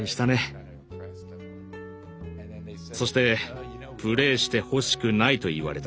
そして「プレイしてほしくない」と言われた。